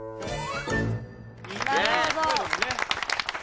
なるほど。